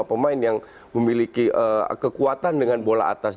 tiga empat lima pemain yang memiliki kekuatan dengan bola atas